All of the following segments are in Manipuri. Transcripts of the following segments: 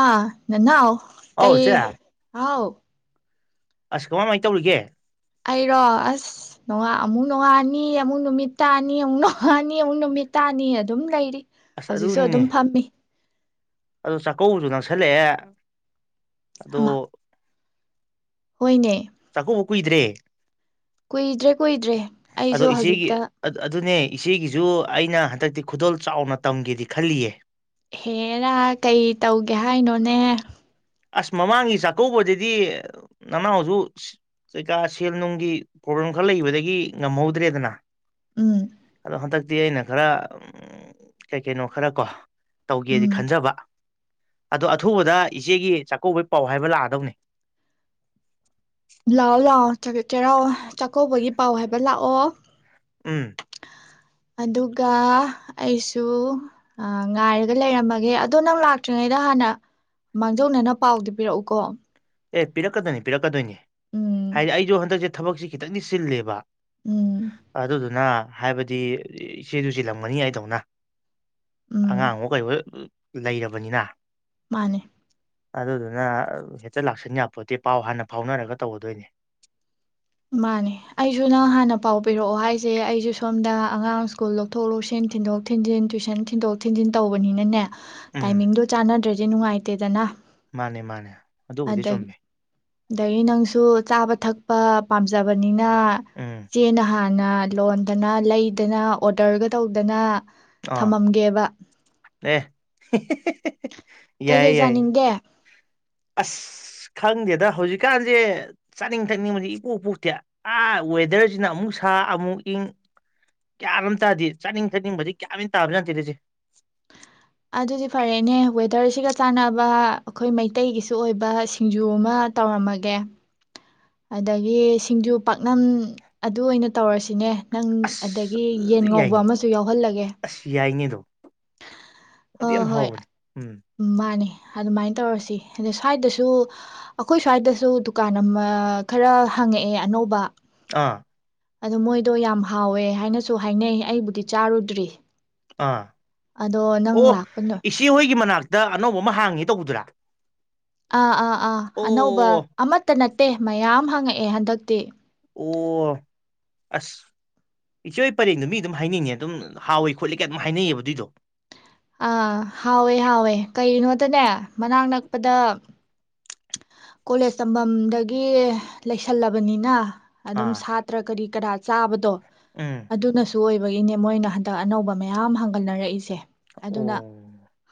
ꯑꯥ ꯅꯟꯅꯎ ꯑꯧ ꯀꯩ ꯆꯦ ꯍꯥꯎ ꯑꯁ ꯀꯃꯥꯏꯃꯥꯏꯅ ꯇꯧꯔꯤꯒꯦ ꯑꯩꯔꯣ ꯑꯁꯉ ꯑꯃꯨꯛ ꯅꯣꯡꯉꯥꯅꯤ ꯑꯃꯨꯛ ꯅꯨꯃꯤꯠ ꯇꯥꯅꯤ ꯑꯃꯨꯛ ꯅꯣꯡꯉꯥꯅꯤ ꯑꯃꯨꯛ ꯅꯨꯃꯤꯠ ꯇꯥꯅꯤ ꯑꯗꯨꯝ ꯂꯩꯔꯤ ꯍꯧꯖꯤꯛꯁꯨ ꯑꯗꯨꯝ ꯐꯝꯃꯤ ꯑꯗꯨ ꯆꯥꯛꯀꯧꯕꯁꯨ ꯅꯪꯁꯜꯂꯛꯑꯦ ꯑꯗꯣ ꯑꯃ ꯍꯣꯏꯅꯦ ꯆꯀꯨ ꯍꯀꯨꯗ꯭ꯔꯦ ꯀꯨꯏꯗ꯭ꯔꯦ ꯀꯨꯏꯗ꯭ꯔꯦ ꯑꯩꯁꯨ ꯍꯧꯖꯤꯛꯇ ꯏꯒꯤꯁꯨ ꯑꯩꯅ ꯍꯟꯗꯛꯇꯤ ꯈꯨꯗꯣꯜ ꯆꯥꯎꯅ ꯇꯝꯒꯦꯗꯤ ꯈꯜꯂꯤꯌꯦ ꯍꯦꯔ ꯀꯩ ꯇꯧꯒꯦ ꯍꯥꯏꯅꯣꯅꯦ ꯑꯁ ꯃꯃꯥꯡꯒꯤ ꯆꯥꯛꯀꯧꯕꯗꯗꯤ ꯅꯃꯎꯁꯨ ꯀꯩꯀꯥ ꯁꯦꯜ ꯅꯨꯡꯒꯤ ꯄ꯭ꯔꯣꯕ꯭ꯂꯦꯝ ꯈꯔ ꯂꯩꯕꯗꯒꯤ ꯉꯝꯍꯧꯗ꯭ꯔꯦꯗꯅ ꯎꯝ ꯑꯗꯣ ꯍꯇꯥ ꯗꯤ ꯑꯩꯅ ꯈꯔ ꯀꯩ ꯀꯩꯅꯣ ꯈꯔ ꯀꯣ ꯇꯧꯒꯦꯗꯤ ꯎꯝ ꯈꯟꯖꯕ ꯑꯗꯣ ꯑꯊꯨꯕꯗ ꯏꯆꯦꯒꯤ ꯆꯥꯛꯀꯧꯕꯩ ꯄꯥꯎ ꯍꯥꯏꯕ ꯂꯥꯛꯑꯗꯧꯅꯤ ꯂꯥꯎꯑꯣ ꯂꯥꯎꯑꯣ ꯆ ꯆꯔ ꯆ ꯀꯧꯕꯒꯤ ꯄꯥꯎ ꯍꯥꯏꯕ ꯂꯥꯛꯑꯣ ꯎꯝ ꯑꯗꯨꯒ ꯑꯩꯁꯨ ꯉꯥꯏꯔꯒ ꯂꯩꯔꯝꯃꯒꯦ ꯑꯗꯣ ꯅꯪ ꯂꯥꯛꯇ꯭ꯔꯤꯉꯩꯗ ꯍꯥꯟꯅ ꯃꯥꯡꯖꯧꯅꯅ ꯄꯥꯎꯗꯨ ꯄꯤꯔꯛꯎꯀꯣ ꯑꯦ ꯄꯤꯔꯛꯀꯗꯣꯏꯅꯤ ꯄꯤꯔꯛꯀꯗꯣꯏꯅꯦ ꯎꯝ ꯍꯥꯏꯗꯤ ꯑꯩꯁꯨ ꯍꯟꯗꯛ ꯆ ꯊꯕꯛꯁꯤ ꯈꯤꯇꯪꯅꯤ ꯆꯤꯜꯂꯦꯕ ꯎꯝ ꯑꯗꯨꯗꯨꯅ ꯍꯥꯏꯕꯗꯤ ꯏꯆꯦꯗꯨ ꯆꯂꯝꯒꯅꯤ ꯑꯩꯗꯧꯅ ꯑꯉ ꯎꯝ ꯑꯉꯣ ꯀꯥꯏꯕ ꯂꯩꯔꯕꯅꯤꯅ ꯃꯥꯅꯦ ꯑꯗꯨꯗ ꯑꯗꯨ ꯅ ꯍꯇ ꯂꯥꯛꯁꯤꯟ ꯌꯥꯄꯣꯠꯇꯗꯤ ꯄꯥꯎ ꯍꯥꯟꯅ ꯐꯥꯎꯅꯔꯒ ꯇꯧꯒꯗꯣꯏꯅꯦ ꯃꯥꯅꯦ ꯑꯩꯁꯨ ꯅꯪ ꯍꯥꯟꯅ ꯄꯥꯎ ꯄꯤꯔꯛꯑꯣ ꯍꯥꯏꯁꯦ ꯑꯩꯁꯨ ꯁꯣꯝꯗ ꯑꯉꯥꯡ ꯁ꯭ꯀꯨꯜ ꯂꯧꯊꯣꯛ ꯂꯧꯁꯤꯟ ꯊꯤꯟꯗꯣꯛ ꯊꯤꯟꯖꯤꯟ ꯇꯨꯋꯁꯟ ꯊꯤꯟꯗꯣꯛ ꯊꯤꯟꯖꯤꯟ ꯇꯧꯕꯅꯤꯅꯅꯦ ꯎꯝ ꯇꯥꯏꯃꯤꯡꯗꯣ ꯆꯥꯟꯅꯗ꯭ꯔꯦ ꯁꯤꯦ ꯅꯨꯡꯉꯥꯏꯇꯦꯗꯅ ꯃꯥꯅꯦ ꯃꯥꯅꯦ ꯑꯗꯨꯕꯨꯗꯤ ꯆꯨꯝꯃꯦ ꯑꯩ ꯅꯪꯁꯨ ꯆꯥꯕ ꯊꯛꯄ ꯄꯥꯝꯖꯕꯅꯤꯅ ꯎꯝ ꯆꯦ ꯅꯍꯥꯟ ꯅ ꯂꯣꯟꯗꯅ ꯂꯩꯗꯅ ꯑꯣꯗꯔꯒ ꯇꯧꯗꯅ ꯊꯝꯃꯝꯒꯦꯕ ꯑꯦꯦ ꯀꯩꯀꯩ ꯆꯥꯅꯤꯡꯗꯦ ꯑꯁ ꯈꯪꯗꯦꯗ ꯍꯧꯖꯤꯛꯀꯥꯟꯁꯦ ꯆꯥꯅꯤꯡ ꯊꯛꯅꯤꯡꯕꯗꯤ ꯏꯄꯣꯛꯄꯣꯛꯇꯦ ꯑꯥ ꯋꯦꯗꯔꯁꯤꯅ ꯑꯃꯨꯛ ꯁꯥ ꯑꯃꯨꯛ ꯏꯪ ꯀꯌꯥꯝ ꯇꯥꯗꯗꯤ ꯆꯥꯅꯤꯡ ꯊꯛꯅꯤꯡꯕꯗꯤ ꯀꯌꯥꯃꯅ ꯇꯥꯕ ꯌꯥꯗꯦꯗꯁꯦ ꯑꯗꯨꯗꯤ ꯐꯔꯦꯅꯦ ꯋꯦꯗꯔꯁꯤꯒ ꯆꯥꯟꯅꯕ ꯑꯩꯈꯣꯏ ꯃꯩꯇꯩꯒꯤꯁꯨ ꯑꯣꯏꯕ ꯁꯤꯡꯖꯨ ꯑꯃ ꯇꯧꯔꯝꯃꯒꯦ ꯑꯗꯒꯤ ꯁꯤꯡꯖꯨ ꯄꯥꯛꯅꯝ ꯑꯗꯨ ꯑꯣꯏꯅ ꯇꯧꯔꯁꯤꯅꯦ ꯅꯪ ꯑꯁ ꯑꯗꯒꯤ ꯌꯦꯟ ꯑꯗꯨ ꯉꯧꯕ ꯌꯥꯏꯅꯦ ꯑꯃꯁꯨ ꯌꯥꯎꯍꯜꯂꯒꯦ ꯑꯁ ꯌꯥꯏꯅꯦ ꯑꯗꯨꯝ ꯑꯗꯨ ꯌꯥꯝ ꯍꯥꯎꯕꯅꯤ ꯎꯝ ꯎ ꯃꯥꯅꯦ ꯑꯗꯨꯃꯥꯏꯅ ꯇꯧꯔꯁꯤ ꯑꯗ ꯁ꯭ꯋꯥꯏꯗꯁꯨ ꯑꯩꯈꯣꯏ ꯁ꯭ꯋꯥꯏꯗꯁꯨ ꯗꯨꯀꯥꯟ ꯑꯃ ꯈꯔ ꯍꯪꯉꯛꯑꯦ ꯑꯅꯧꯕ ꯑꯥ ꯑꯗꯣ ꯃꯣꯏꯗꯣ ꯌꯥꯝ ꯍꯥꯎꯋꯦ ꯍꯥꯏꯅꯁꯨ ꯍꯥꯏꯅꯩ ꯑꯩꯕꯨꯗꯤ ꯆꯥꯔꯨꯗ꯭ꯔꯤ ꯑꯥ ꯑꯗꯣ ꯅꯪ ꯑꯣ ꯂꯥꯛꯄꯅꯣ ꯏꯁꯤ ꯍꯣꯏꯒꯤ ꯃꯅꯥꯛꯇ ꯗ ꯑꯅꯧꯕ ꯑꯃ ꯍꯥꯡꯉꯤ ꯇꯧꯕꯗꯨꯔꯥ꯫ ꯑꯥ ꯑꯥ ꯑꯥ ꯑꯅꯧꯕ ꯑꯣ ꯑꯃꯠꯇ ꯅꯠꯇꯦ ꯃꯌꯥꯝ ꯍꯪꯉꯛꯦ꯫ ꯑꯦ ꯍꯟꯗꯛꯇꯤ꯫ ꯑꯣ ꯑꯁ ꯏꯆꯦ ꯄꯔꯦꯡꯗꯨ ꯃꯤ ꯑꯗꯨꯝ ꯍꯥꯏꯅꯤꯡꯉꯦ ꯑꯗꯨꯝ ꯍꯥꯎꯋꯤ ꯈꯣꯠꯂꯤ ꯀ ꯑꯗꯨꯝ ꯍꯥꯏꯅꯩꯌꯦꯕ ꯑꯗꯨꯏꯗꯣ꯫ ꯑ ꯍꯋꯦ ꯍꯋꯦ ꯀꯩꯩꯅ ꯇꯅꯦ ꯃꯅꯥꯛ ꯅꯛꯄꯗ ꯀꯣꯂꯦꯖ ꯇꯝꯐꯝꯗꯒꯤ ꯂꯩꯁꯜꯂꯕꯅꯤꯅ ꯑꯗꯨꯝ ꯑꯥ ꯁꯥꯇ꯭ꯔ ꯀꯔꯤ ꯀꯅꯥ ꯆꯥꯕꯗꯣ ꯎꯝ ꯑꯗꯨ ꯑꯗꯨ ꯅꯁ ꯑꯗꯨ ꯑꯣꯏꯕꯒꯤꯅꯦ ꯃꯣꯏꯅ ꯍꯟꯗꯛ ꯑꯅꯧꯕ ꯃꯌꯥꯝ ꯍꯥꯡꯒꯠꯅꯔꯛꯏꯁꯦ꯫ ꯑꯣ ꯑꯗꯨꯅ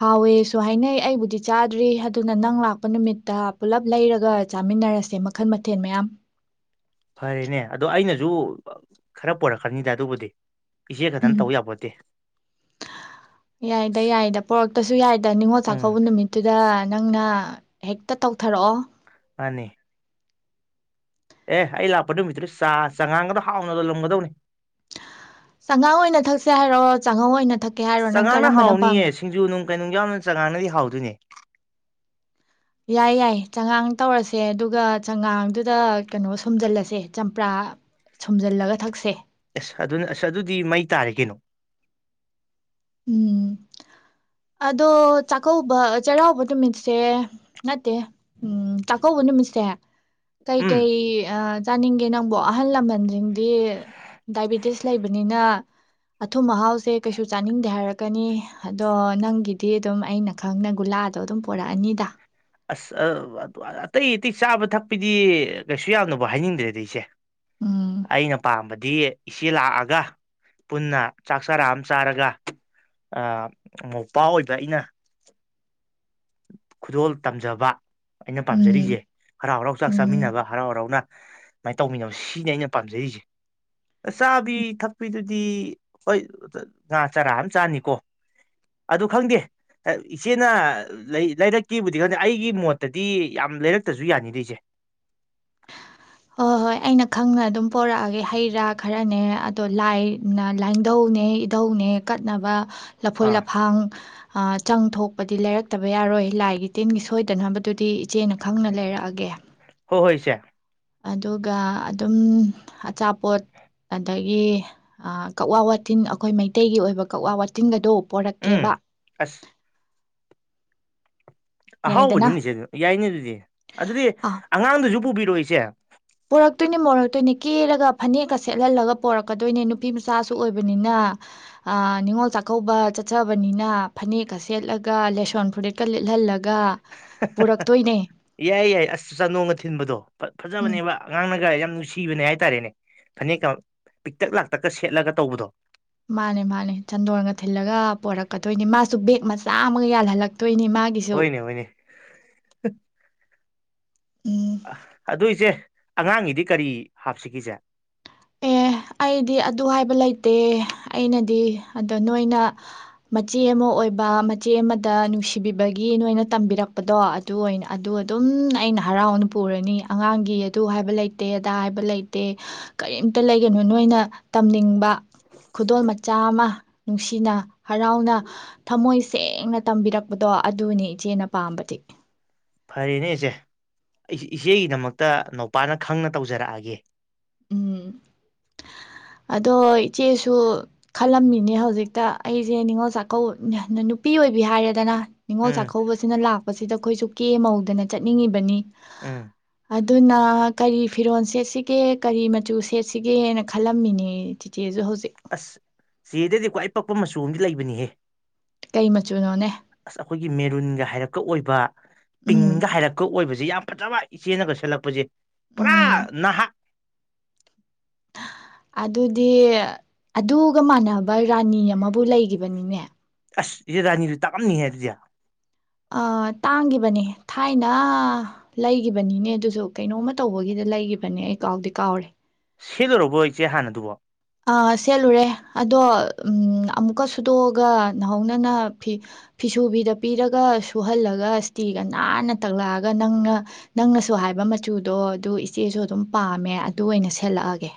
ꯍꯥꯎꯋꯦꯁ ꯁꯨ ꯍꯥꯏꯅꯩ ꯑꯩꯕꯨꯗꯤ ꯆꯥꯗ꯭ꯔꯤ ꯑꯗꯨꯅ ꯅꯪ ꯂꯥꯛꯄ ꯅꯨꯃꯤꯠꯇꯥ ꯄꯨꯜꯂꯞ ꯂꯩꯔꯒ ꯆꯥꯃꯤꯟꯅꯔꯁꯦ ꯃꯈꯜ ꯃꯊꯦꯜ ꯃꯌꯥꯝ꯫ ꯐꯔꯦꯅꯦ ꯑꯗꯣ ꯑꯩꯅꯁꯨ ꯈꯔ ꯄꯔꯛꯀꯅꯤꯗ ꯑꯗꯨꯕꯨꯗꯤ꯫ ꯏꯆꯦ ꯈꯛꯇꯅ ꯎꯝ ꯇꯧ ꯌꯥꯄꯣꯠꯇꯦ ꯌꯥꯏꯗ ꯌꯥꯏꯗ ꯄꯣꯔꯛ ꯇꯁꯨ ꯌꯥꯏ ꯗꯅꯤꯡꯉꯣ ꯎꯝ ꯆꯥꯛꯕꯨꯅꯃꯤꯇꯨꯗꯥꯏ ꯅꯪꯅ ꯍꯦꯛꯇ ꯇꯧꯊꯔꯛꯑꯣ꯫ ꯃꯥꯅꯤ꯫ ꯑꯦ ꯑꯩ ꯂꯥꯛꯄ ꯅꯨꯃꯤꯠꯇꯨꯗ ꯆꯥ ꯆꯉꯥꯡꯒꯗ ꯍꯥꯎꯅ ꯂꯨꯝꯒꯗꯧꯅꯤ꯫ ꯆꯥꯉꯥꯡ ꯑꯣꯏꯅ ꯊꯛꯁꯦ ꯍꯥꯏꯔꯣ ꯆꯥꯉꯧ ꯑꯣꯏꯅ ꯊꯛꯀꯦ ꯑꯁ ꯍꯥꯏꯔꯣ ꯅꯪ ꯆꯉꯥꯡꯅ ꯀꯔꯝꯕꯅ ꯄꯥꯝ ꯍꯥꯎꯅꯤꯌꯦ ꯁꯤꯡꯖꯨ ꯅꯨꯡ ꯀꯩꯅꯨꯡ ꯌꯥꯎꯅ ꯆꯉꯥꯡꯅꯗꯤ ꯍꯥꯎꯗꯣꯏꯅꯦ꯫ ꯌꯥꯏ-ꯌꯥꯏ ꯆꯉꯥꯡ ꯇꯧꯔꯁꯦ ꯑꯗꯨꯒ ꯆꯉꯥꯡꯗꯨꯗ ꯀꯩꯅꯣ ꯁꯨꯝꯖꯤꯜꯂꯁꯦ ꯆꯝꯄ꯭ꯔꯥ ꯁꯨꯝꯖꯤꯜꯂꯒ ꯊꯛꯁꯦ꯫ ꯑꯁ ꯑꯗꯨꯅ ꯑꯁ ꯑꯗꯨꯗꯤ ꯃꯩ ꯇꯥꯔꯦ ꯀꯩꯅꯣ꯫ ꯎꯝ ꯑꯗꯣ ꯆꯥꯛꯀꯧꯕ ꯆꯩꯔꯥꯎꯕ ꯅꯨꯃꯤꯠꯁꯦ, ꯅꯠꯇꯦ ꯎꯝ ꯆꯥꯛꯀꯧꯕ ꯅꯨꯃꯤꯠꯁꯦ ꯎꯝ ꯀꯩ-ꯀꯩ ꯑ ꯆꯥꯅꯤꯡꯒꯦ ꯅꯪꯕꯨ ꯑꯍꯜ ꯂꯃꯟꯁꯤꯡꯗꯤ ꯗꯥꯏꯕꯤꯇꯤꯁ ꯂꯩꯕꯅꯤꯅ, ꯑꯊꯨꯝ ꯑꯍꯥꯎꯁꯦ ꯀꯩꯁꯨ ꯆꯥꯅꯤꯡ ꯗꯤ ꯍꯥꯏꯔꯛꯀꯅꯤ ꯑꯗꯣ ꯅꯪꯒꯤꯗꯤ ꯑꯗꯨꯝ ꯑꯩꯅ ꯈꯪꯅ ꯒꯨꯂꯥꯗꯣ ꯑꯗꯨꯝ ꯄꯔꯛꯑꯅꯤꯗ꯫ ꯑꯁ ꯑꯇꯩ ꯑꯇꯩ ꯆꯥꯕ ꯊꯛꯄꯗꯤ ꯀꯩꯁꯨ ꯌꯥꯝꯅꯐ ꯍꯥꯏꯅꯤꯡꯗ꯭ꯔꯦꯗ ꯑꯩꯁꯦ ꯎꯝ ꯑꯩꯅ ꯄꯥꯝꯕ ꯗꯤ ꯏꯆꯦ ꯂꯥꯛꯑꯒ ꯄꯨꯟꯅ ꯆꯥꯛ ꯆꯔꯥ ꯑꯃ ꯆꯥꯔꯒ, ꯃꯣꯄꯥ ꯑꯣꯏꯕ ꯑꯩꯅ ꯈꯨꯗꯣꯜ ꯇꯝꯖꯕ ꯑꯩꯅ ꯎꯝ ꯄꯥꯝꯖꯔꯤꯁꯦ꯫ ꯍꯔꯥꯎ-ꯍꯔꯥꯎ ꯆꯥꯛ ꯎꯝ ꯆꯥꯃꯤꯟꯅꯕ ꯍꯔꯥꯎ ꯍꯔꯥꯎꯅ ꯁꯨꯃꯥꯏꯅ ꯇꯧꯃꯤꯟꯅꯕ ꯁꯤꯅꯤ ꯑꯩꯅ ꯄꯥꯝꯖꯔꯤꯁꯤ꯫ ꯆꯥꯕꯤ ꯊꯛꯄꯤꯗꯨꯗꯤ, ꯍꯣꯏ ꯉꯥ ꯆꯔꯥ ꯑꯃ ꯆꯥꯅꯤꯀꯣ ꯑꯗꯨ ꯈꯪꯗꯦ ꯏꯆꯦꯅ ꯂꯩꯔꯛꯀꯤꯕꯨꯗꯤ ꯈꯪꯗꯦ ꯑꯩꯒꯤ ꯃꯣꯠꯇꯗꯤ ꯌꯥꯝ ꯂꯩꯔꯛꯇꯁꯨ ꯌꯥꯅꯤꯗ ꯏꯆꯦ꯫ ꯍꯣꯏ-ꯍꯣꯏ ꯑꯩꯅ ꯈꯪꯅ ꯑꯗꯨꯝ ꯄꯣꯔꯛꯑꯒꯦ ꯍꯩ ꯔꯥ ꯈꯔꯅꯦ ꯑꯗꯣ ꯂꯥꯏꯅ ꯂꯥꯏꯙꯧꯅꯦ ꯏꯙꯧꯅꯦ ꯀꯠꯅꯕ ꯂꯐꯣꯏ ꯑꯥ ꯂꯐꯥꯡ ꯆꯪ ꯊꯣꯛꯄꯗꯤ ꯂꯩꯔꯛꯇꯕ ꯌꯥꯔꯣꯏ ꯂꯥꯏꯒꯤ ꯇꯤꯟꯒꯤ ꯁꯣꯏꯗꯅꯕꯗꯨꯗꯤ ꯏꯆꯦꯅ ꯈꯪꯅ ꯂꯩꯔꯛꯑꯒꯦ ꯁꯦ ꯑꯗꯨꯒ ꯑꯗꯨꯝ ꯑꯆꯥꯄꯣꯠ ꯑꯗꯒꯤ ꯀꯛꯋꯥ ꯋꯥꯇꯤꯟ ꯑꯩꯈꯣꯏ ꯃꯩꯇꯩꯒꯤ ꯑꯣꯏꯕ ꯀꯛꯋꯥ ꯋꯥꯇꯤꯟꯒꯗ ꯎꯝ ꯄꯣꯔꯛꯀꯦꯕ ꯌꯥꯏꯗꯅ ꯑꯍꯥꯎꯕꯅꯤꯅꯦꯁꯦ ꯌꯥꯏꯅꯦ ꯑꯗꯨꯗꯤ ꯑꯗꯨꯗꯤ ꯑꯉꯥꯡꯗꯨꯁꯨ ꯄꯨꯕꯤ ꯁꯦ ꯄꯣꯔꯛꯇꯣꯏꯅꯤ ꯄꯣꯔꯛꯇꯣꯏꯅꯤ ꯀꯦꯔꯒ ꯐꯅꯦꯛꯀ ꯁꯦꯠꯍꯜꯂꯒ ꯄꯣꯔꯛꯀꯗꯣꯏꯅꯦ ꯅꯨꯄꯤ ꯃꯆꯥꯁꯨ ꯑꯣꯏꯕꯅꯤꯅ ꯅꯤꯉꯣꯜ ꯆꯥꯛꯀꯧꯕ ꯆꯠꯆꯕꯅꯤꯅ ꯐꯅꯦꯛꯀ ꯁꯦꯠꯂꯒ ꯂꯦꯁꯣꯟ ꯐꯨꯔꯤꯠꯀ ꯂꯤꯠꯍꯜꯂꯒ ꯄꯨꯔꯛꯇꯣꯏꯅꯦ ꯌꯥꯏ ꯌꯥꯏ ꯑꯁ ꯆꯥꯅꯣꯡꯅ ꯊꯤꯟꯕꯗꯣ ꯎꯝ ꯐꯖꯕꯅꯦꯕ ꯑꯉꯥꯡꯅꯒ ꯌꯥꯝ ꯅꯨꯡꯁꯤꯕꯅꯦ ꯍꯥꯏꯇꯥꯔꯦꯅꯦ ꯐꯅꯦꯛꯀ ꯄꯤꯛꯇꯛ ꯂꯥꯛꯇꯛꯀ ꯁꯦꯠꯂꯒ ꯇꯧꯕꯗꯣ ꯃꯥꯅꯦ ꯃꯥꯅꯦ ꯆꯟꯗꯣꯟꯒ ꯊꯤꯜꯂꯒ ꯄꯔꯛꯀꯗꯣꯏꯅꯦ ꯃꯥꯁꯨ ꯕꯦꯦꯛ ꯃꯆꯥ ꯑꯃꯒ ꯌꯥꯜꯍꯜꯂꯛ ꯑꯣꯏꯣꯏꯅꯦ ꯑꯣꯏꯣꯏꯅꯦ ꯎꯝ ꯑꯗꯨꯏꯁꯦ ꯑꯉꯥꯡꯒꯤꯗꯤ ꯀꯔꯤ ꯍꯥꯞꯁꯤꯒꯁꯦ ꯑꯦ ꯑꯩꯗꯤ ꯑꯗꯨ ꯍꯥꯏꯕ ꯂꯩꯇꯦ ꯑꯩꯅꯗꯤ ꯑꯗꯣ ꯅꯣꯏꯅ ꯃꯆꯦ ꯑꯃ ꯑꯣꯏꯕ ꯃꯆꯦ ꯑꯃꯗ ꯅꯨꯡꯁꯤꯕꯤꯕꯒꯤ ꯅꯣꯏꯅ ꯇꯝꯕꯤꯔꯛꯄꯗꯣ ꯑꯗꯨ ꯑꯣꯏꯅ ꯑꯗꯨ ꯑꯗꯨꯝ ꯑꯩꯅ ꯍꯔꯥꯎꯅ ꯄꯨꯔꯅꯤ ꯑꯉꯥꯡꯒꯤ ꯑꯗꯨ ꯍꯥꯏꯕ ꯂꯩꯇꯦ ꯑꯗꯥ ꯍꯥꯏꯕ ꯂꯩꯇꯦ ꯀꯔꯤꯝꯇ ꯂꯩꯒꯅꯨ ꯅꯣꯏꯅ ꯇꯝꯅꯤꯡꯕ ꯈꯨꯗꯣꯜ ꯃꯆꯥ ꯑꯃ ꯅꯨꯡꯁꯤꯅ ꯍꯔꯥꯎꯅ ꯊꯃꯣꯏ ꯁꯦꯡꯅ ꯇꯝꯕꯤꯔꯛꯄꯗꯣ ꯑꯗꯨꯅꯤ ꯏꯆꯦꯅ ꯄꯥꯝꯕꯗꯤ ꯐꯔꯦꯅꯦ ꯏꯆꯦ ꯑꯩ ꯏꯆꯦꯒꯤꯗꯃꯛꯇ ꯅꯨꯧꯄꯥꯅ ꯈꯪꯅ ꯇꯧꯖꯔꯛꯑꯒꯦ ꯎꯝ ꯑꯗꯣ ꯏꯆꯦꯁꯨ ꯈꯜꯂꯝꯃꯤꯅꯦ ꯍꯧꯖꯤꯛꯇ ꯑꯩꯁꯦ ꯅꯤꯉꯣꯜ ꯆꯥꯛꯀꯧ ꯅꯨꯄꯤ ꯑꯣꯏꯕꯤ ꯍꯥꯏꯔꯦꯗꯅ ꯅꯤꯡꯉꯣ ꯆ ꯎꯝ ꯁꯥꯈꯥꯎ ꯁꯅꯂ ꯁꯤꯗ ꯑꯩꯈꯣꯏꯁꯨ ꯀꯦ ꯍꯧꯧꯗꯅ ꯆꯠꯅꯤꯡꯉꯤꯕꯅꯤ ꯎꯝ ꯑꯗꯨꯅ ꯀꯔꯤ ꯐꯤꯔꯣꯜ ꯁꯦꯠꯁꯤꯒꯦ ꯀꯔꯤ ꯃꯆꯨ ꯁꯦꯠꯁꯤꯒꯦꯅ ꯈꯜꯂꯝꯃꯤꯅꯦ ꯆꯤꯆꯦꯁꯨ ꯍꯧꯖꯤꯛ ꯑꯁ ꯁꯤꯗꯗꯤꯀꯣ ꯑ ꯄꯛꯄ ꯃꯆꯨ ꯑ ꯑꯃꯗꯤ ꯂꯩꯕꯅꯤꯍꯦ ꯀꯩ ꯃꯆꯨꯅꯣꯅꯦ ꯑꯁ ꯑꯩꯈꯣꯏꯒꯤ ꯃꯦꯔꯨꯟꯒ ꯍꯥꯏꯔꯛꯀ ꯑꯣꯏꯕ ꯎꯝ ꯄꯤꯡꯒ ꯍꯥꯏꯔꯛꯀ ꯑꯣꯏꯕ ꯁꯤ ꯌꯥꯝ ꯐꯖꯕ ꯏꯆꯦꯅꯒ ꯁꯦꯠꯂꯛꯄꯁꯦ ꯄꯨꯔꯥ ꯎꯝ ꯅꯍꯥꯛ ꯑꯗꯨꯗꯤ ꯑꯗꯨꯒ ꯃꯥꯟꯅꯕ ꯔꯥꯅꯤ ꯑꯃꯕꯨ ꯂꯩꯈꯤꯕꯅꯤꯅꯦ ꯑꯁ ꯏꯦ ꯔꯥꯅꯤꯗꯨ ꯇꯥꯛꯑꯝꯅꯤ ꯍꯥꯏ ꯑꯗꯨꯗꯤ ꯑ ꯇꯥꯡꯈꯤꯕꯅꯦ ꯊꯥꯏꯅ ꯂꯩꯒꯤꯈꯤꯕꯅꯤꯅꯦ ꯑꯗꯨꯁꯨ ꯀꯩꯅꯣꯝꯃ ꯇꯧꯕꯒꯤꯗ ꯂꯩꯈꯤꯕꯅꯦ ꯑꯩ ꯀꯥꯎꯗꯤ ꯀꯥꯎꯔꯦ ꯁꯦꯗꯧꯔꯕꯣ ꯏꯆꯦ ꯍꯥꯟꯅ ꯑꯗꯨꯕꯣ ꯑ ꯁꯦꯠꯂꯨꯔꯦ ꯑꯗꯣ ꯑꯃꯨꯛꯀ ꯁꯨꯗꯣꯛꯑꯒ ꯅꯍꯧꯅꯅ ꯐꯤ ꯐꯤꯁꯨꯕꯤꯗ ꯄꯤꯔꯒ ꯁꯨꯍꯜꯂꯒ ꯏꯁꯇꯤꯒ ꯅꯥꯟꯅ ꯇꯛꯂꯛꯑꯒ ꯅꯪꯅ ꯅꯪꯅꯁꯨ ꯍꯥꯏꯕ ꯃꯆꯨꯗꯣ ꯑꯗꯨ ꯏꯆꯦꯁꯨ ꯑꯗꯨꯝ ꯄꯥꯝꯃꯦ ꯑꯗꯨ ꯑꯣꯏꯅ ꯁꯦꯠꯂꯛꯑꯒꯦ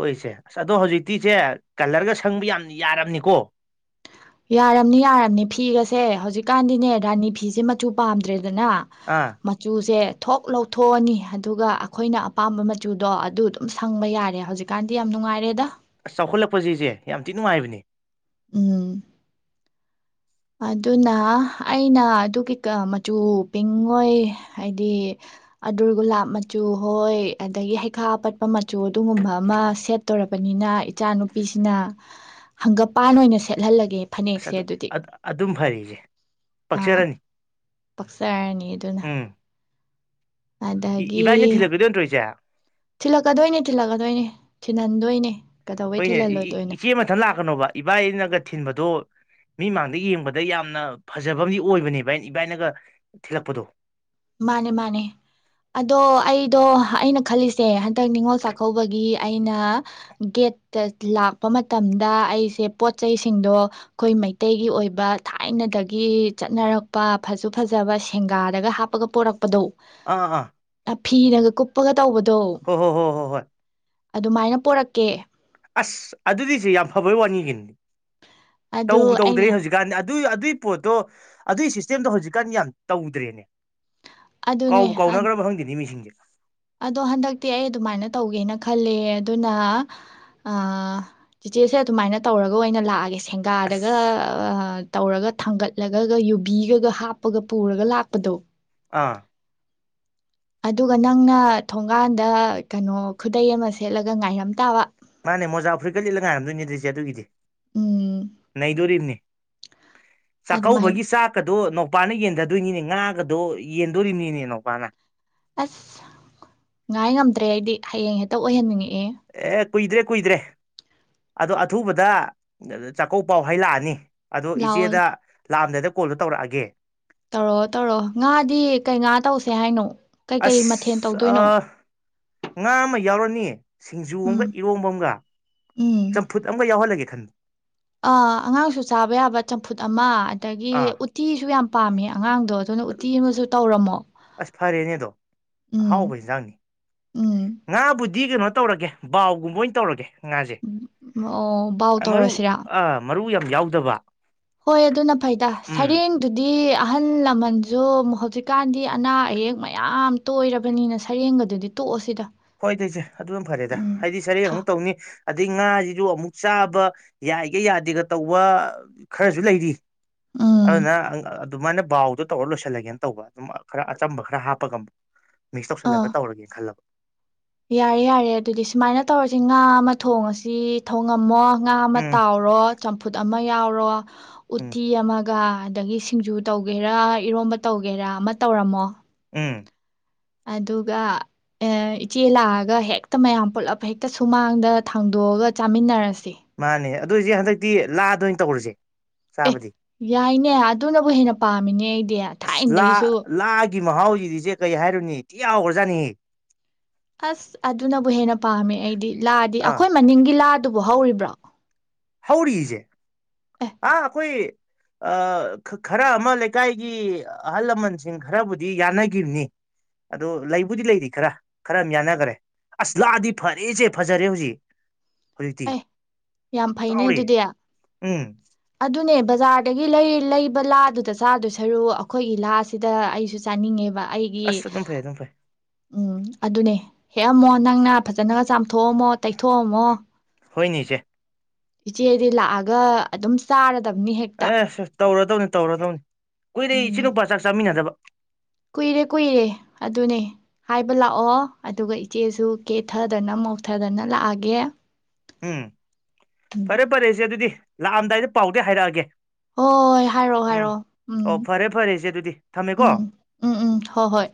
ꯍꯣꯏꯁꯦ ꯑꯁ ꯑꯗꯣ ꯍꯧꯖꯤꯛꯇꯤꯁꯦ ꯀꯂꯔꯒ ꯁꯪꯕ ꯌꯥꯝ ꯌꯥꯔꯝꯅꯤꯀꯣ ꯌꯥꯔꯝꯅꯤ ꯌꯥꯔꯝꯅꯤ ꯐꯤꯒꯁꯦ ꯍꯧꯖꯤꯛꯀꯥꯟꯗꯤꯅꯦ ꯔꯥꯅꯤ ꯐꯤꯁꯦ ꯃꯆꯨ ꯄꯥꯝꯗ꯭ꯔꯦ ꯑꯗꯨꯅ ꯑꯥ ꯃꯆꯨꯁꯦ ꯊꯣꯛ ꯂꯧꯊꯣꯛꯑꯅꯤ ꯑꯗꯨꯒ ꯑꯩꯈꯣꯏꯅ ꯑꯄꯥꯝꯕ ꯃꯆꯨꯗꯣ ꯑꯗꯨ ꯑꯗꯨꯝ ꯁꯪꯕ ꯌꯥꯔꯦ ꯍꯧꯖꯤꯛꯀꯥꯟꯗꯤ ꯌꯥꯝ ꯅꯨꯡꯉꯥꯏꯔꯦꯗ ꯑꯁ ꯆꯥꯎꯈꯠꯂꯛꯄꯁꯤꯁꯦ ꯌꯥꯝ ꯊꯤ ꯅꯨꯡꯉꯥꯏꯕꯅꯦ ꯎꯝ ꯑꯗꯨꯅ ꯑꯩꯅ ꯑꯗꯨ ꯀꯀ ꯃꯆꯨ ꯄꯤꯡ ꯍꯣꯏ ꯍꯥꯏꯗꯤ ꯑꯗꯨꯔ ꯒꯨꯂꯥꯞ ꯃꯆꯨ ꯍꯣꯏ ꯑꯗꯒꯤ ꯍꯩꯈꯥ ꯑꯄꯠꯄ ꯃꯆꯨ ꯑꯗꯨꯒꯨꯝꯕ ꯑꯃ ꯁꯦꯠꯇꯧꯔꯕꯅꯤꯅ ꯏꯆꯥꯅꯨꯄꯤꯁꯤꯅ ꯍꯪꯒꯄꯥꯟ ꯑꯣꯏꯅ ꯁꯦꯠꯍꯜꯂꯒꯦ ꯑꯁ ꯐꯅꯦꯛꯁꯦ ꯑꯗꯨꯗꯤ ꯑꯗꯨ ꯑꯗꯨꯝ ꯐꯔꯁꯦ ꯑꯥ ꯄꯛꯆꯔꯅꯤ ꯄꯛꯆꯔꯅꯤ ꯑꯗꯨꯅ ꯎꯝ ꯑꯗꯒꯤ ꯏꯕꯥꯏꯅ ꯊꯤꯜꯂꯛꯀꯗꯣꯏ ꯅ ꯇꯧꯔꯤꯁꯦ ꯊꯤꯜꯂꯛꯀꯗꯣꯏꯅꯦ ꯊꯤꯜꯂꯛꯀꯗꯣꯏꯅꯦ ꯊꯤꯜꯍꯟꯗꯣꯏꯅꯦ ꯀꯩꯗꯧꯕꯩ ꯍꯈꯣꯏꯅꯦ ꯊꯤꯜꯍꯜꯂꯣꯏꯗꯣꯏꯅꯣ ꯏꯆꯦ ꯃꯊꯪ ꯂꯥꯛꯀꯅꯣꯕ ꯏꯕꯥ ꯏꯅꯒ ꯊꯤꯟꯕꯗꯣ ꯃꯤ ꯃꯥꯡꯗ ꯌꯦꯡꯕꯗ ꯑ ꯗ ꯌꯥꯝꯅ ꯐꯖꯕ ꯑꯃꯗꯤ ꯑꯣꯏꯕꯅꯦ ꯚ ꯏꯕꯥꯏꯅꯒ ꯊꯤꯜꯂꯛꯄꯗꯣ ꯃꯥꯅꯦ ꯃꯥꯅꯦ ꯑꯗꯣ ꯑꯩꯗꯣ ꯑꯩꯅ ꯈꯜꯂꯤꯁꯦ ꯍꯟꯗꯛ ꯅꯤꯉꯣꯜ ꯆꯥꯛꯀꯧꯕꯒꯤ ꯑꯩꯅ ꯒꯦꯠꯇ ꯂꯥꯛꯄ ꯃꯇꯝꯗ ꯑꯩꯁꯦ ꯄꯣꯠ ꯆꯩꯁꯤꯡꯗꯣ ꯑꯩꯈꯣꯏ ꯃꯩꯇꯩꯒꯤ ꯑꯣꯏꯕ ꯊꯥꯏꯅꯗꯒꯤ ꯆꯠꯅꯔꯛꯄ ꯐꯁꯨ ꯐꯖꯕ ꯁꯦꯡꯒꯥꯗꯒ ꯍꯥꯞ ꯀꯞꯄꯒ ꯄꯣꯔꯛꯄꯗꯣ ꯑꯥ ꯑꯥ ꯐꯤꯔꯒ ꯀꯨꯄꯒ ꯇꯧꯕꯗꯣ ꯍꯣ ꯍꯣ ꯍꯣ ꯍꯣ ꯍꯣꯏ ꯑꯗꯨꯃꯥꯏꯅ ꯄꯣꯔꯛꯀꯦ ꯑꯁ ꯑꯗꯨꯗꯤꯁꯦ ꯌꯥꯝ ꯐꯕꯩ ꯋꯥꯅꯤꯒꯤꯅꯤ ꯑꯗꯨ ꯇꯧꯕ ꯑꯩꯅ ꯇꯧꯗ꯭ꯔꯔꯤ ꯍꯧꯖꯤꯛꯀꯥꯟꯗꯤ ꯑꯗꯨꯏ ꯑꯗꯨꯏ ꯄꯣꯠꯇꯣ ꯑꯗꯨꯏ ꯁꯤꯁꯇꯦꯝꯗꯣ ꯍꯧꯖꯤꯛꯀꯥꯟ ꯌꯥꯝ ꯇꯧꯗ꯭ꯔꯦꯅꯦ ꯑꯗꯨꯅꯦ ꯀꯥꯎꯕ ꯀꯥꯎꯅꯈ꯭ꯔꯕ ꯈꯪꯗꯦꯅꯤ ꯃꯤꯁꯤꯡꯁꯦ ꯑꯗꯣ ꯍꯟꯗꯛꯇꯤ ꯑꯩ ꯑꯗꯨꯃꯥꯏꯅ ꯇꯧꯒꯦꯅ ꯈꯜꯂꯦ ꯑꯗꯨꯅ ꯇꯤꯆꯦꯁꯦ ꯑꯗꯨꯃꯥꯏꯅ ꯇꯧꯔꯒ ꯑꯣꯏꯅ ꯂꯥꯛꯑꯒꯦ ꯊꯦꯡꯒꯥꯗꯒ ꯑꯁ ꯇꯧꯔꯒ ꯊꯥꯡꯒꯠꯂꯒꯒ ꯌꯨꯕꯤꯒꯒ ꯍꯥꯞꯄꯒ ꯄꯨꯔꯒ ꯂꯥꯛꯄꯗꯣ ꯑꯥ ꯑꯗꯨꯒ ꯅꯪꯅ ꯊꯣꯡꯒꯥꯟꯗ ꯀꯩꯅꯣ ꯈꯨꯗꯩ ꯑꯃ ꯁꯦꯠꯂꯒ ꯉꯥꯏꯔꯝ ꯇꯥꯕ ꯃꯥꯅꯦ ꯃꯣꯖꯥ ꯐꯨꯔꯤꯀꯠ ꯂꯤꯠꯂ ꯉꯥꯏꯔꯝꯗꯅꯤꯗ꯭ꯔꯤꯁꯦ ꯑꯗꯨꯒꯤꯗꯤ ꯎꯝ ꯅꯩꯗꯣꯔꯤꯕꯅꯤ ꯑꯗꯨꯃꯥꯏꯅ ꯆꯥꯛꯀꯧꯕꯒꯤ ꯆꯥꯛꯀꯗꯣ ꯅꯨꯄꯥꯅ ꯌꯦꯟꯗꯗꯣꯏꯅꯤꯅꯦ ꯉꯔꯥꯒꯗꯣ ꯌꯦꯟꯗꯣꯔꯤꯕꯅꯤꯅꯦꯅ ꯅꯨꯄꯥꯅ ꯑꯁ ꯉꯥꯏ ꯉꯝꯗ꯭ꯔꯦ ꯑꯩꯗꯤ ꯍꯌꯦꯡ ꯍꯦꯛꯇ ꯑꯣꯏꯍꯟꯅꯤꯡꯉꯤ ꯑꯦ ꯀꯨꯏꯗ꯭ꯔꯦ ꯀꯨꯏꯗ꯭ꯔꯦ ꯑꯗꯣ ꯑꯊꯨꯕꯗ ꯆꯥꯛꯀꯧꯕ ꯄꯥꯎ ꯍꯩ ꯂꯥꯛꯑꯅꯤ ꯑꯗꯣ ꯂꯥꯛꯑꯣ ꯏꯆꯦꯗ ꯂꯥꯛꯑꯝꯗꯥꯏꯗ ꯀꯣꯜꯗꯣ ꯇꯧꯔꯛꯑꯒꯦ ꯇꯧꯔꯣ ꯇꯧꯔꯣꯑꯣ ꯉꯥꯗꯤ ꯀꯩ ꯉꯥ ꯇꯧꯁꯦ ꯍꯥꯏꯅꯣ ꯀꯩꯀꯩ ꯃꯊꯦꯜ ꯑꯁ ꯇꯧꯗꯣꯏꯅꯣ ꯉꯥ ꯑꯃ ꯌꯥꯎꯔꯅꯤ ꯅꯤ ꯁꯤꯡꯖꯨ ꯎꯝ ꯑꯃꯒ ꯏꯔꯣꯝꯕ ꯑꯃꯒ ꯎꯝ ꯆꯝꯐꯨꯠ ꯑꯃꯒ ꯌꯥꯎꯍꯜꯂꯒꯦ ꯈꯟ ꯑꯥ ꯑꯉꯥꯡꯁꯨ ꯆꯥꯕ ꯌꯥꯕ ꯆꯝꯐꯨꯠ ꯑꯃ ꯑꯗꯒꯤ ꯑꯥ ꯎꯠꯇꯤꯁꯨ ꯌꯥꯝ ꯄꯥꯝꯃꯦ ꯑꯉꯥꯡꯗꯣ ꯑꯗꯨꯅ ꯎꯠꯇꯤ ꯑꯃꯁꯨ ꯇꯧꯔꯝꯃꯣ ꯑꯁ ꯐꯔꯦꯅꯦꯗꯣ ꯎꯝ ꯑꯍꯥꯎꯕ ꯏꯟꯖꯥꯡꯅꯤ ꯎꯝ ꯉꯥꯕꯨꯗꯤ ꯀꯩꯅꯣ ꯇꯧꯔꯒꯦ ꯕꯥꯎꯒꯨꯝꯕ ꯑꯣꯏꯅ ꯇꯧꯔꯒꯦ ꯉꯥꯁꯦ ꯑꯣ ꯕꯥꯎ ꯃꯔꯨ ꯇꯧꯔꯁꯤꯔꯥ ꯑꯥ ꯃꯔꯨ ꯌꯥꯝ ꯌꯥꯎꯗꯕ ꯍꯣꯏ ꯑꯗꯨꯅ ꯐꯩꯗ ꯎꯝ ꯁꯔꯦꯡꯗꯨꯗꯤ ꯑꯍꯜ ꯂꯃꯟꯁꯨ ꯍꯧꯖꯤꯛꯀꯥꯟꯗꯤ ꯑꯅꯥ ꯑꯌꯦꯛ ꯃꯌꯥꯝ ꯇꯣꯏꯔꯕꯅꯤꯅ ꯁꯔꯦꯡꯕꯗꯨꯗꯤ ꯇꯣꯛꯑꯁꯤꯗ ꯍꯣꯏ ꯇꯁꯦ ꯑꯗꯨꯅ ꯐꯔꯦꯗ ꯎꯝ ꯍꯥꯏꯗꯤ ꯁꯔꯦꯡ ꯊꯥ ꯑꯃꯨꯛ ꯇꯧꯅꯤ ꯑꯗꯩ ꯉꯥꯁꯤꯁꯨ ꯑꯃꯨꯛ ꯆꯥꯕ ꯌꯥꯏꯒ ꯌꯥꯗꯦꯒ ꯇꯧꯕ ꯈꯔꯁꯨ ꯂꯩꯔꯤ ꯎꯝ ꯑꯗꯨꯅ ꯑꯗꯨꯃꯥꯏꯅ ꯕꯥꯎꯗ ꯇꯧꯔ ꯂꯣꯏꯁꯤꯜꯂꯒꯦꯅ ꯇꯧꯕ ꯑꯗꯨꯝ ꯈꯔ ꯑꯆꯝꯕ ꯈꯔ ꯍꯥꯞꯄꯒ ꯃꯤꯛꯁ ꯑꯥ ꯇꯧꯁꯜꯂꯒ ꯇꯧꯔꯒꯦ ꯈꯜꯂꯕ ꯌꯥꯔꯦ ꯌꯥꯔꯦ ꯑꯗꯨꯗꯤ ꯁꯨꯃꯥꯏꯅ ꯇꯧꯔꯁꯤ ꯉꯥ ꯑꯃ ꯊꯣꯡꯉꯁꯤ ꯊꯣꯡꯉꯝꯃꯣ ꯉꯥ ꯑꯃ ꯎꯝ ꯇꯥꯎꯔꯣ ꯆꯝꯐꯨꯠ ꯑꯃ ꯌꯥꯎꯔꯣ ꯎꯝ ꯎꯇꯤ ꯑꯃꯛ ꯒ ꯑꯗꯒꯤ ꯁꯤꯡꯖꯨ ꯇꯧꯒꯦꯔꯥ ꯏꯔꯣꯝꯕ ꯇꯧꯒꯦꯔꯥ ꯑꯃ ꯇꯧꯔꯝꯃꯣ ꯎꯝ ꯑꯗꯨꯒ ꯏꯆꯦ ꯂꯥꯛꯑꯒ ꯍꯦꯛꯇ ꯃꯌꯥꯝ ꯄꯨꯂꯞ ꯍꯦꯛꯇ ꯁꯨꯃꯥꯡꯗ ꯊꯥꯡꯗꯣꯛꯑꯒ ꯆꯥꯃꯤꯟꯅꯔꯁꯤ ꯃꯥꯅꯦ ꯑꯗꯨꯏꯁꯦ ꯍꯟꯗꯛꯇꯤ ꯂꯥꯗ ꯑꯣꯏꯅ ꯇꯧꯔꯁꯦ ꯑꯦ ꯆꯥꯕꯗꯤ ꯌꯥꯏꯅꯦ ꯑꯗꯨꯅꯕꯨ ꯍꯦꯟꯅ ꯄꯥꯃꯤꯅꯦ ꯎꯏ ꯂꯥ ꯂꯥ ꯒꯤ ꯃꯍꯥꯎꯁꯤꯗꯤ ꯏꯆꯦ ꯀꯩ ꯍꯥꯏꯔꯨꯅꯤ ꯊꯤ ꯌꯥꯎꯈ꯭ꯔꯖꯥꯅꯤ ꯑꯁ ꯑꯗꯨꯅꯕꯨ ꯍꯦꯟꯅ ꯄꯥꯝꯃꯦ ꯑꯩꯗꯤ ꯂꯥꯗꯤ ꯑꯥ ꯑꯩꯈꯣꯏ ꯃꯅꯤꯡꯒꯤ ꯂꯥ ꯑꯗꯨꯕꯨ ꯍꯧꯔꯤꯕ꯭ꯔꯣ ꯍꯧꯥꯔꯤ ꯏꯆꯦ ꯑꯦ ꯑ ꯑꯩꯈꯣꯏ ꯑ ꯈꯔ ꯑꯃ ꯂꯩꯀꯥꯏꯒꯤ ꯑꯍꯜ ꯂꯃꯟꯁꯤꯡ ꯈꯔꯕꯨꯗꯤ ꯌꯥꯅꯈꯤꯕꯅꯤ ꯑꯗꯣ ꯂꯩꯕꯨꯗꯤ ꯂꯩꯔꯤ ꯈꯔ ꯈꯔ ꯑꯃ ꯌꯥꯅꯈꯔꯦ ꯑꯁ ꯂꯥꯗꯤ ꯐꯔꯦꯁꯦ ꯐꯖꯔꯦ ꯍꯧꯖꯤꯛ ꯍꯧꯖꯤꯛꯇꯤ ꯑꯦ ꯌꯥꯝ ꯐꯩꯅꯦ ꯆꯥꯎꯔꯦ ꯑꯗꯨꯗꯤ ꯎꯝ ꯑꯗꯨꯅꯦ ꯕꯖꯥꯔꯗꯒꯤ ꯂꯩꯕ ꯂꯥꯗꯨꯗ ꯆꯥꯗꯣꯏ ꯁꯔꯨ ꯑꯩꯈꯣꯏꯒꯤ ꯂꯥꯁꯤꯗ ꯑꯩꯁꯨ ꯆꯥꯅꯤꯡꯉꯦꯕ ꯑꯩꯒꯤ ꯑꯁ ꯑꯗꯨꯝ ꯐꯩ ꯑꯗꯨꯝ ꯐꯩ ꯎꯝ ꯑꯗꯨꯅꯦ ꯍꯦꯛꯑꯝꯃꯣ ꯅꯪꯅ ꯐꯖꯅꯒ ꯆꯥꯝꯊꯣꯛꯑꯝꯃꯣ ꯇꯩꯊꯣꯛꯑꯝꯃꯣ ꯍꯣꯏꯅꯤꯁꯦ ꯏꯆꯤ ꯍꯥꯏꯗꯤꯂ ꯑꯒ ꯑꯗꯨꯝ ꯆꯥꯔ ꯑꯦꯁ ꯇꯧꯔ ꯗꯧꯅꯤ ꯇꯧꯔ ꯗꯧꯅꯤ ꯀꯨꯏꯔꯩ ꯏꯆꯤꯟ ꯎꯝ ꯅꯨꯄꯥ ꯆꯥꯛ ꯆꯥꯃꯤꯟꯅꯗꯕ ꯀꯨꯏꯔꯦ ꯀꯨꯏꯔꯦ ꯑꯗꯨꯅꯦ ꯍꯥꯏꯕ ꯂꯥꯛꯑꯣ ꯑꯗꯨꯒ ꯏꯆꯦꯁꯨ ꯀꯦꯊꯗꯅ ꯃꯧꯊꯗꯅ ꯂꯥꯛꯑꯒꯦ ꯎꯝ ꯎꯝ ꯐꯔꯦ ꯐꯔꯦꯁꯦ ꯑꯗꯨꯗꯤ ꯂꯥꯛꯑꯝꯗꯥꯏꯗ ꯄꯥꯎꯗ ꯍꯥꯏꯔꯛꯑꯒꯦ ꯍꯣꯏ ꯍꯥꯏꯔꯛꯑꯣ ꯎꯝ ꯍꯥꯏꯔꯛꯑꯣ ꯑꯣ ꯎꯝ ꯐꯔꯦ ꯐꯔꯦ ꯏꯆꯦ ꯑꯗꯨꯗꯤ ꯊꯝꯃꯦꯀꯣ ꯎꯝ ꯎꯝ ꯎꯝ ꯍꯣ ꯍꯣꯏ